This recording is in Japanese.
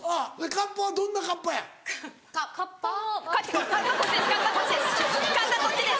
カッパこっちです。